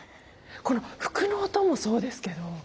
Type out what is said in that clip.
この服の音もそうですけど。